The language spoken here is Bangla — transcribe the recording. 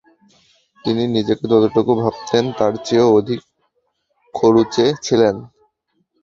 তিনি নিজেকে যতটুকু ভাবতেন, তার চেয়েও অধিক খরুচে ছিলেন।